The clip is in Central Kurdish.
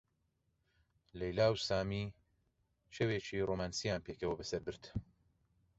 لەیلا و سامی شەوێکی ڕۆمانسییان پێکەوە بەسەر برد.